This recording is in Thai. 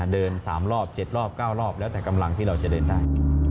เดิน๓รอบ๗รอบ๙รอบแล้วแต่กำลังที่เราจะเดินได้